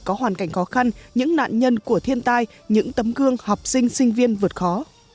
có hoàn cảnh khó khăn những nạn nhân của thiên tai những tấm gương học sinh sinh viên vượt khó